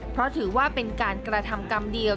เพราะถือว่าเป็นการกระทำกรรมเดียว